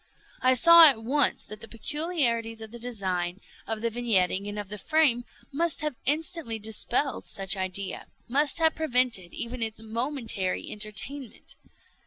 I saw at once that the peculiarities of the design, of the vignetting, and of the frame, must have instantly dispelled such idea—must have prevented even its momentary entertainment.